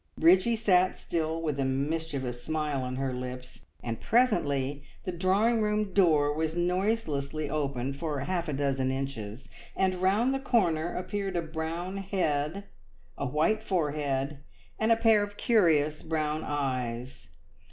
Bridgie sat still with a mischievous smile on her lips, and presently the drawing room door was noiselessly opened for half a dozen inches, and round the corner appeared a brown head, a white forehead, and a pair of curious brown eyes.